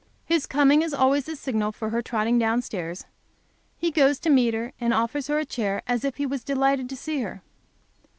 His coming is always the signal for her trotting down stairs; he goes to meet her and offers her a chair, as if he was delighted to see her.